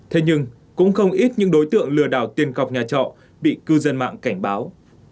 thế nhưng cũng không ít những đối tượng lừa đảo tiền cọc nhà trọ bị cư dân mạng cảnh báo